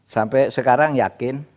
sampai sekarang yakin